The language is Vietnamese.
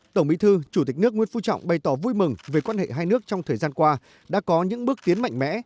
tổng bí thư chủ tịch nước nguyễn phú trọng bày tỏ vui mừng về quan hệ hai nước trong thời gian qua đã có những bước tiến mạnh mẽ